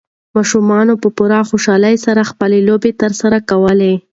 ماشومانو په پوره خوشالۍ سره خپلې لوبې ترسره کولې.